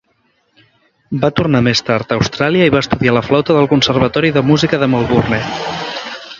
Va tornar més tard a Austràlia i va estudiar la flauta al Conservatori de Música de Melbourne.